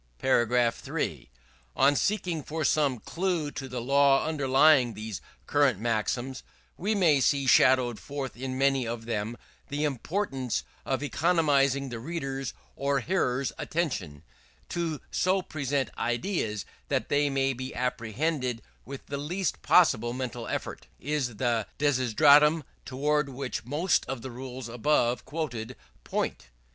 § 3. On seeking for some clue to the law underlying these current maxims, we may see shadowed forth in many of them, the importance of economizing the reader's or hearer's attention, To so present ideas that they may be apprehended with the least possible mental effort, is the desideratum towards which most of the rules above quoted point.